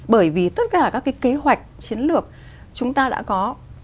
bởi vì tất cả các cái kế hoạch chiến lược chúng ta đã có